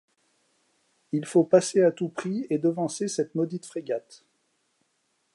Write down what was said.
Il faut passer à tout prix et devancer cette maudite frégate!